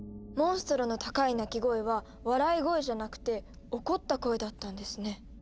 モンストロの高い鳴き声は笑い声じゃなくて怒った声だったんですね。